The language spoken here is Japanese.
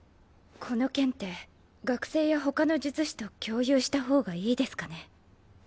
この件って学生やほかの術師と共有した方がいいですかね？